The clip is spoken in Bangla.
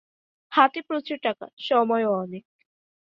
হাতে প্রচুর টাকা; সময়ও অনেক।